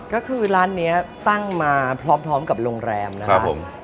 ก็คือร้านนี้ตั้งมาพร้อมกับโรงแรมนะครับผม